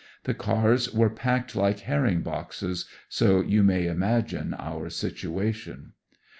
The cars were packed like herring boxes, so you may imagine our situation.